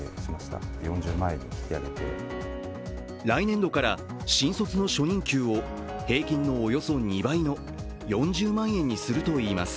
来年度から新卒の初任給を平均のおよそ２倍の４０万円にするといいます。